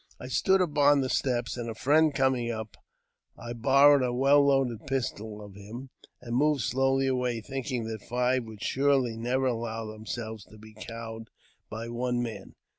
ll I stood upon the steps, and a friend coming up, I borrowed ' a well loaded pistol of him, and moved slowly away, thinking that five men would surely never allow themselves to be cowed by one man.